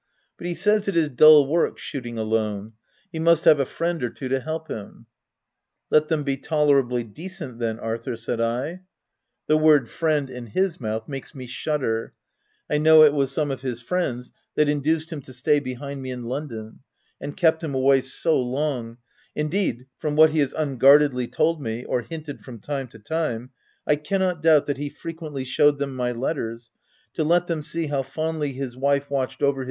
But he says it is dull work shooting alone ; he must have a friend or two to help him. "Let them be tolerably decent then, Ar thur/' said I — The word '* friend," in his mouth makes me shudder : I know it was some of his tc friends " that induced him to stay behind me in London, and kept him away so long— in deed, from what he has unguardedly told me, or hinted from time to time, I cannot doubt that he frequently showed them my letters, to let them see how fondly his wife watched over OF WILDFELL HALL.